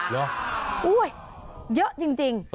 เยอะจริง